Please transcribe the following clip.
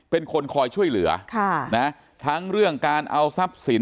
เป็นคนคอยช่วยเหลือค่ะนะทั้งเรื่องการเอาทรัพย์สิน